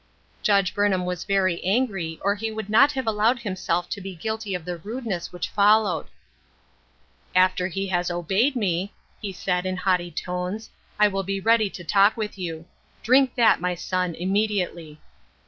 Judge Burnham was very angry or he would not have allowed himself to be guilty of the rudeness which followed. " After he has obeyed me," he said, in haughty tones, " I will be ready to talk with you. Drink that, my son, immediately."